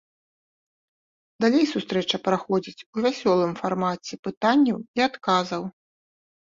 Далей сустрэча праходзіць у вясёлым фармаце пытанняў і адказаў.